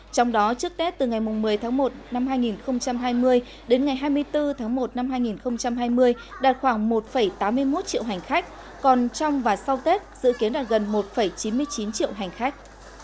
trong đó trước tết từ ngày một mươi tháng một năm hai nghìn hai mươi đến ngày hai mươi bốn tháng một năm hai nghìn hai mươi đạt khoảng một tám mươi một triệu hành khách còn trong và sau tết dự kiến đạt gần một chín mươi chín triệu hành khách